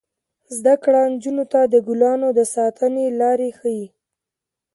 زده کړه نجونو ته د ګلانو د ساتنې لارې ښيي.